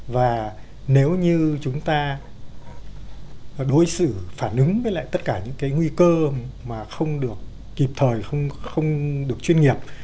và nếu như chúng ta đối xử phản ứng với lại tất cả những cái nguy cơ mà không được kịp thời không được chuyên nghiệp